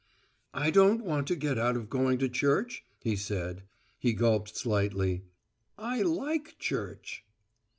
"I don't want to get out of going to church," he said. He gulped slightly. "I like church."